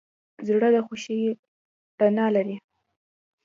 زړه د خوښۍ رڼا لري.